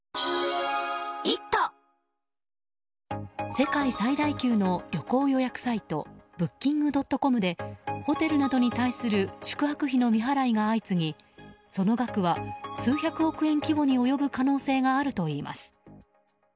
世界最大級の旅行予約サイトブッキングドットコムでホテルなどに対する宿泊費の未払いが相次ぎその額は数百億円規模に及ぶ可能性があるといいます。